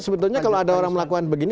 sebetulnya kalau ada orang melakukan begini